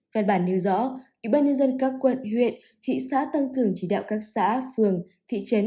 văn bản nêu rõ ủy ban nhân dân các quận huyện thị xã tăng cường chỉ đạo các xã phường thị trấn